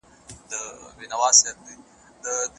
لارښود استاد باید د څيړني په هر پړاو کي همکاري وکړي.